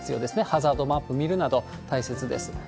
ハザードマップ見るなど大切です。